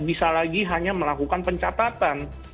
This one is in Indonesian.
bisa lagi hanya melakukan pencatatan